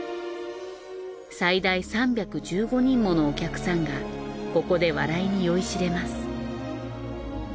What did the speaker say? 最大３１５人ものお客さんがここで笑いに酔いしれます。